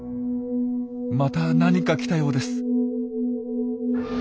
また何か来たようです。